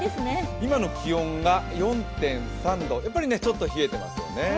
今の気温が４．３度、やっぱりちょっと冷えてますよね。